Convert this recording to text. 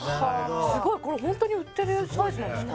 すごいこれホントに売ってるサイズなんですか？